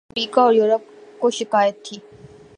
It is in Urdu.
پہلے امریکہ اور یورپ کو شکایت تھی۔